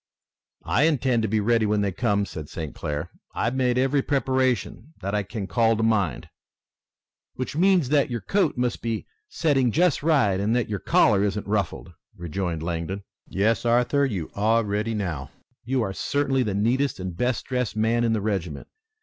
"I intend to be ready when they come," said St. Clair. "I've made every preparation that I can call to mind." "Which means that your coat must be setting just right and that your collar isn't ruffled," rejoined Langdon. "Yes, Arthur, you are ready now. You are certainly the neatest and best dressed man in the regiment.